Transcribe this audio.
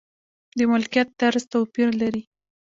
د ملکیت طرز توپیر لري.